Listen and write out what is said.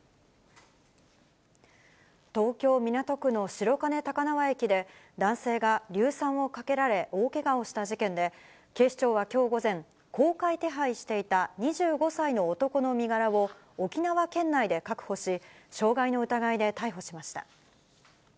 東京・港区の白金高輪駅で、男性が硫酸をかけられ、大けがをした事件で、警視庁はきょう午前、公開手配していた２５歳の男の身柄を、沖縄県内で確保し、傷害の疑いで逮捕しました。